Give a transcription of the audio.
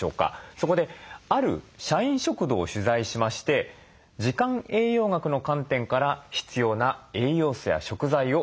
そこである社員食堂を取材しまして時間栄養学の観点から必要な栄養素や食材をチェックして頂きました。